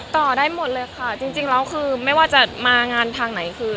ต่อได้หมดเลยค่ะจริงไม่ว่าจะมางานทางไหน